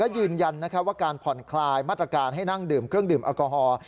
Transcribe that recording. ยืนยันว่าการผ่อนคลายมาตรการให้นั่งดื่มเครื่องดื่มแอลกอฮอล์